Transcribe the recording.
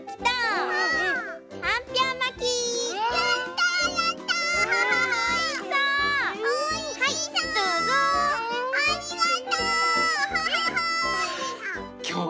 ありがとう！